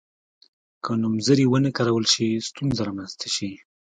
که نومځري ونه کارول شي ستونزه رامنځته شي.